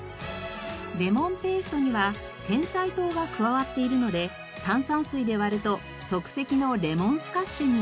レモンペーストにはてんさい糖が加わっているので炭酸水で割ると即席のレモンスカッシュに。